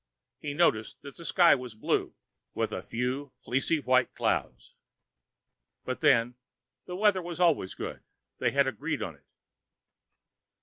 He noticed that the sky was blue, with a few fleecy white clouds. But then, the weather was always good. They had agreed on it.